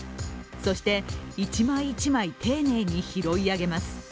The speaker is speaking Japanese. そして、一枚一枚丁寧に拾い上げます。